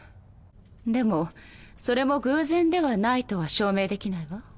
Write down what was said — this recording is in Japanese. でもそれも偶然ではないとは証明できないわ。